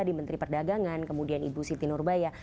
di menteri perdagangan kemudian ibu siti nurbaya